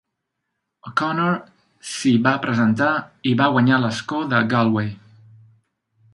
O'Connor s'hi va presentar i va guanyar l'escó de Galway.